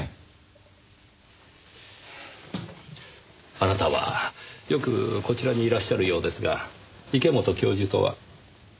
あなたはよくこちらにいらっしゃるようですが池本教授とは？